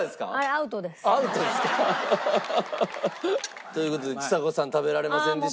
アウトですか。という事でちさ子さん食べられませんでしたけども。